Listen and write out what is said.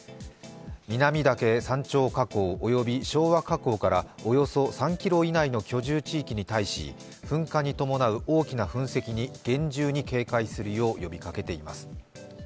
南岳山頂火口及び昭和火口からおよそ３ｋｍ以内の居住地域に対し噴火に伴う大きな噴石に厳重に警戒するよう呼びかけています。